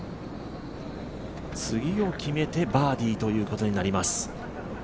次を決めてバーディーということになります。